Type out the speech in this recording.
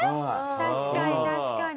確かに確かに。